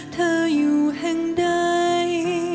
เธออยู่แห่งใด